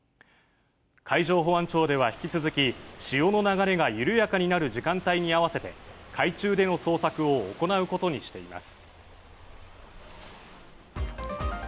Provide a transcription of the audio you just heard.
海上保安庁では、引き続き潮の流れが緩やかになる時間帯に合わせて海中での捜索を行うことにしています。